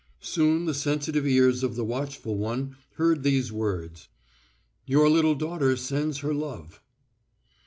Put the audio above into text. Soon the sensitive ears of the watchful one heard these words: "Your little daughter sends her love."